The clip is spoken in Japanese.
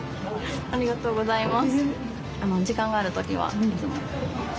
ありがとうございます。